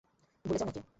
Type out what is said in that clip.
ভুলে যাও নাকি?